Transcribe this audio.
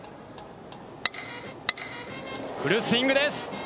フルスイングです。